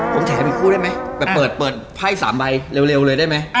ผมแถมอีกคู่ได้ไหมไปเปิดไพ่๓ใบเร็วเลยได้ไหม